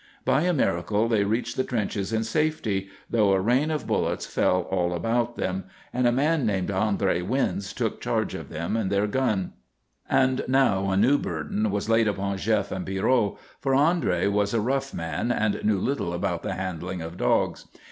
By a miracle they reached the trenches in safety, though a rain of bullets fell all about them, and a man named André Wyns took charge of them and their gun. And now a new burden was laid upon Jef and Pierrot, for André was a rough man and knew little about the handling of dogs.